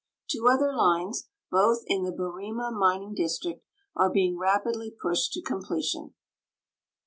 Two other lines, both in the Barima mining district, are being rapidly pushed to completion.